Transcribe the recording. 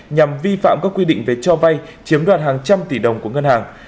nhằm vi phạm các quy định về cho vay chiếm đoạt hàng trăm tỷ đồng của ngân hàng